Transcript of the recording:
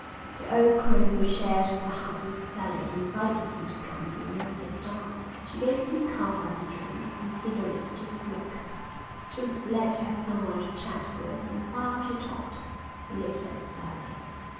The old crone who shared the hut with Sally invited him to come in and sit down. She gave him kava to drink and cigarettes to smoke. She was glad to have someone to chat with and while she talked he looked at Sally.